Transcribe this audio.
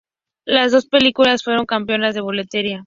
Las dos películas fueron "campeonas de boletería".